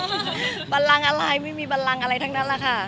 โอ้ยบันรังอะไรบันรังอะไรไม่มีบันรังอะไรทั้งนั้นล่ะค่ะ